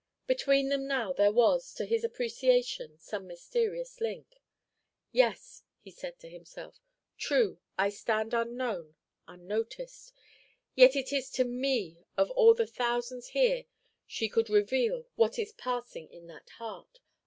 Between them now there was, to his appreciation, some mysterious link. "Yes," he said to himself, "true, I stand unknown, unnoticed; yet it is to me of all the thousands here she could reveal what is passing in that heart!